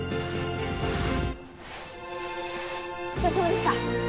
お疲れさまでした。